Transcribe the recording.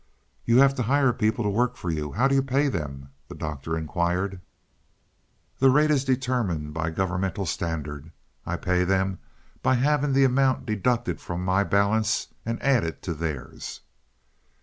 "You have to hire people to work for you, how do you pay them?" the Doctor inquired. "The rate is determined by governmental standard. I pay them by having the amount deducted from my balance and added to theirs."